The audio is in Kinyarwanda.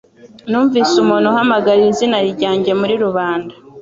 Numvise umuntu uhamagara izina ryanjye muri rubanda